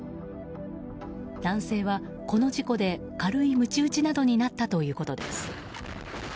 男性は、この事故で軽いむち打ちなどになったということです。